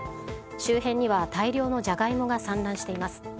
周辺には大量のジャガイモが散乱しています。